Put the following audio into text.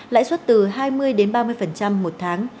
lãi suất từ hai mươi đến ba mươi một tháng